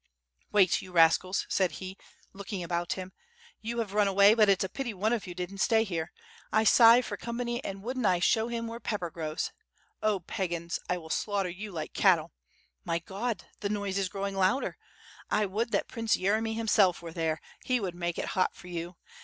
"Wait you rascals," said he, looking about him. "You have run away, but it's a pity one of you didn't stay here. I sigh for company and wouldn't I show him where pepper grows. Oh Pagans, I will slaughter you like cattle! My God, the noise is growing louder! I would that Prince Yere my himself were there, he would make it hot for you.